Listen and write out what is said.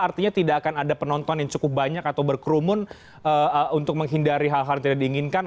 artinya tidak akan ada penonton yang cukup banyak atau berkerumun untuk menghindari hal hal yang tidak diinginkan